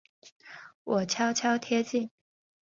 我悄悄贴近